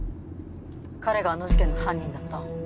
彼があの事件の犯人だった。